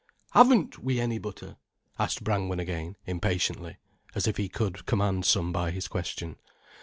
"Haven't we any butter?" asked Brangwen again, impatiently, as if he could command some by his question.